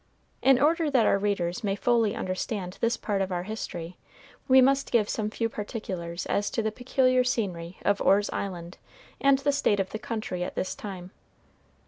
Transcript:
In order that our readers may fully understand this part of our history, we must give some few particulars as to the peculiar scenery of Orr's Island and the state of the country at this time.